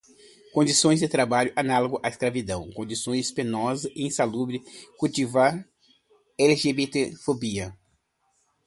Condições de trabalho análogas à escravidão, condições penosas e insalubres, cultivar, lgbtfobia